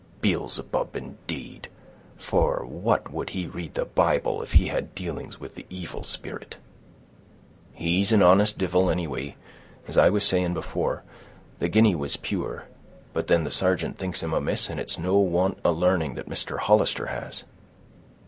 Beelzebub, indeed! For what would he read the Bible, if he had dealings with the evil spirit?" "He's an honest divil, anyway; as I was saying before, the guinea was pure. But then the sargeant thinks him amiss, and it's no want of l'arning that Mister Hollister has."